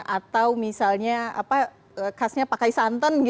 atau misalnya khasnya pakai santan